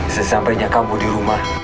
sesampainya kamu di rumah